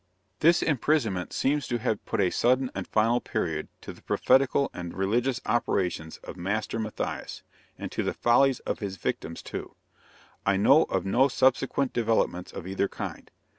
This imprisonment seems to have put a sudden and final period to the prophetical and religious operations of Master Matthias, and to the follies of his victims, too. I know of no subsequent developments of either kind.